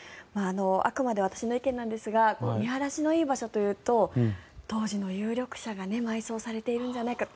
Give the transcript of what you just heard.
あくまで私の意見なんですが見晴らしのいい場所というと当時の有力者が埋葬されているんじゃないかと。